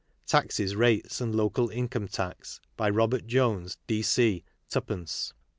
Taxes, Rates and Local Income Tax. By Robert Jones. D. So.